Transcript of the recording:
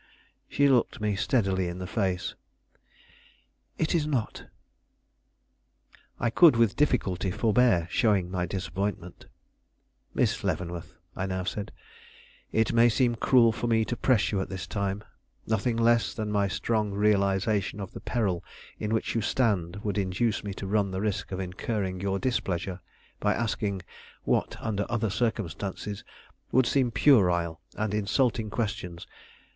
She looked me steadily in the face. "It is not." I could with difficulty forbear showing my disappointment. "Miss Leavenworth," I now said, "it may seem cruel for me to press you at this time; nothing less than my strong realization of the peril in which you stand would induce me to run the risk of incurring your displeasure by asking what under other circumstances would seem puerile and insulting questions.